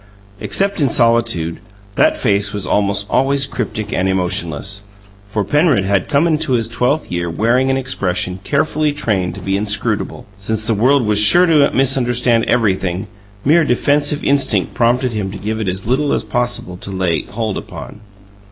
Except in solitude, that face was almost always cryptic and emotionless; for Penrod had come into his twelfth year wearing an expression carefully trained to be inscrutable. Since the world was sure to misunderstand everything, mere defensive instinct prompted him to give it as little as possible to lay hold upon.